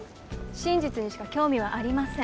真実にしか興味はありません。